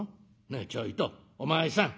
ねえちょいとお前さん。